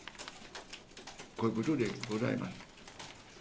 こういうことでございます。